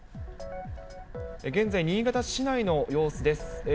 現在、新潟市内の様子です。